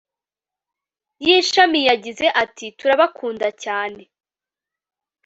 y ishami yagize ati turabakunda cyane